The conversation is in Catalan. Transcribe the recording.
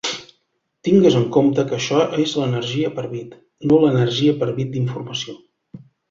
Tingues en compte que això és l'energia per bit, no l'energia per bit d'informació.